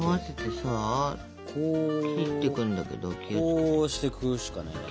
こうしていくしかないな。